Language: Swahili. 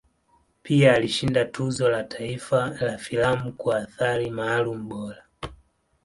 Pia alishinda Tuzo la Taifa la Filamu kwa Athari Maalum Bora.